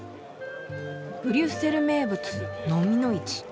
「ブリュッセル名物ノミの市。